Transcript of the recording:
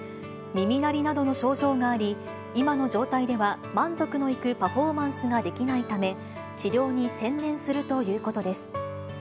耳鳴りなどの症状があり、今の状態では満足のいくパフォーマンスができないため、治療に専念するということです。